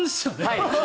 はい。